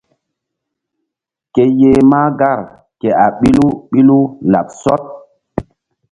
Ke yeh mahgar ke a ɓilu ɓilu laɓ sɔɗ.